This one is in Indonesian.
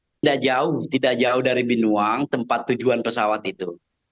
tidak jauh tidak jauh dari binuang tempat tujuan pesawat itu